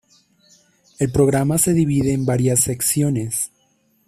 El programa se divide en varias secciones.